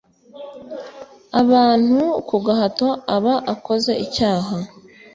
abantu ku gahato aba akoze icyaha